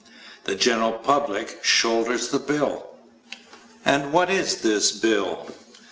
The general public shoulders the bill. And what is this bill?